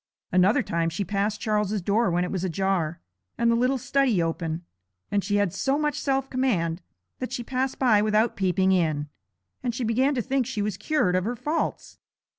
Another time she passed Charles's door when it was ajar and the little study open, and she had so much self command that she passed by without peeping in, and she began to think she was cured of her faults.